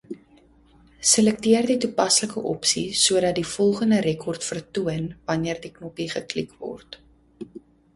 Selekteer die toepaslike opsie sodat die volgende rekord vertoon wanneer die knoppie geklik word.